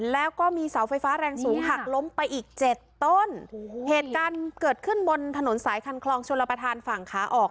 แล้วก็มีเสาไฟฟ้าแรงสูงหักล้มไปอีกเจ็ดต้นเหตุการณ์เกิดขึ้นบนถนนสายคันคลองชลประธานฝั่งขาออก